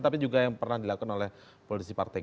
tapi juga yang pernah dilakukan oleh politisi partai